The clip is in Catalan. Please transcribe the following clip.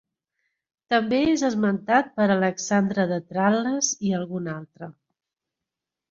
També és esmentat per Alexandre de Tral·les i algun altre.